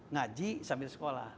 ngaji sambil sekolah